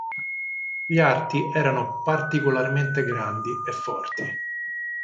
Gli arti erano particolarmente grandi e forti.